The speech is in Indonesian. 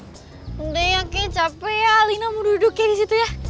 sebenarnya kakek capek ya alina mau duduknya disitu ya